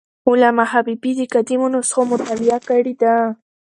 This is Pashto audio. علامه حبیبي د قدیمو نسخو مطالعه کړې ده.